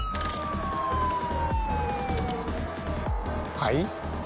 はい？